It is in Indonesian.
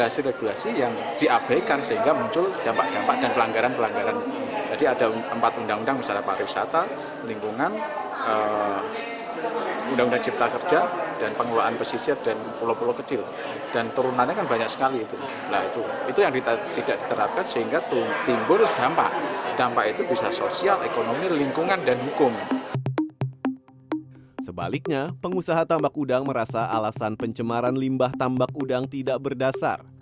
sebaliknya pengusaha tambak udang merasa alasan pencemaran limbah tambak udang tidak berdasar